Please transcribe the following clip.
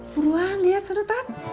perluan liat sodo tat